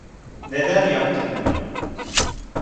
Neden yaptın bunu?